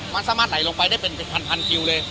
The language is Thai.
มันซะมาดไหลลงไปได้เป็น๑๐๐๐คิวเลย